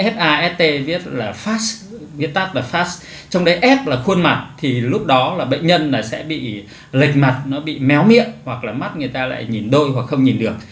fast viết là fast trong đấy f là khuôn mặt thì lúc đó là bệnh nhân sẽ bị lệch mặt nó bị méo miệng hoặc là mắt người ta lại nhìn đôi hoặc không nhìn được